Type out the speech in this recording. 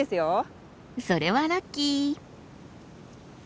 それはラッキー。